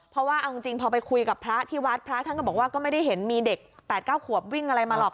เพราะว่าเอาจริงพอไปคุยกับพระที่วัดพระท่านก็บอกว่าก็ไม่ได้เห็นมีเด็ก๘๙ขวบวิ่งอะไรมาหรอก